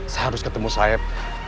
saya harus ketemu saib